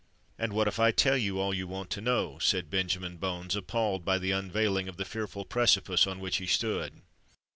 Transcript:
"And what if I tell you all you want to know?" said Benjamin Bones, appalled by the unveiling of the fearful precipice on which he stood.